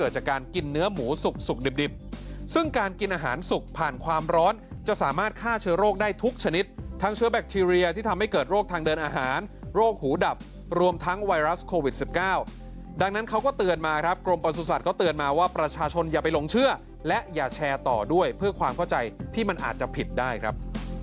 เชื้อโรคได้ทุกชนิดทั้งเชื้อแบคทีเรียที่ทำให้เกิดโรคทางเดินอาหารโรคหูดับรวมทั้งไวรัสโควิด๑๙ดังนั้นเขาก็เตือนมาครับกรมประสุทธิ์สัตว์ก็เตือนมาว่าประชาชนอย่าไปลงเชื่อและอย่าแชร์ต่อด้วยเพื่อความเข้าใจที่มันอาจจะผิดได้ครับ